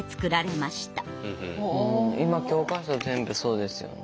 今教科書全部そうですよね。